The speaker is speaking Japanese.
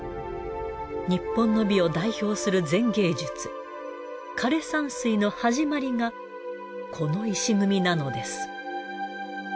日本の美を代表する禅芸術枯山水の始まりがこの石組なのです。